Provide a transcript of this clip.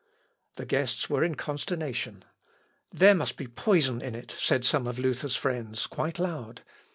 The guests were in consternation. "There must be poison in it," said some of Luther's friends, quite loud.